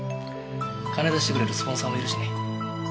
金出してくれるスポンサーもいるしね。